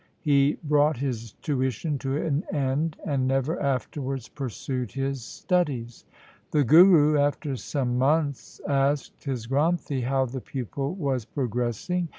' he brought his tuition to an end, and never afterwards pursued his studies. The Guru, after some months, asked his Granthi how the pupil was progressing.